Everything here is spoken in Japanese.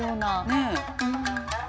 ねえ。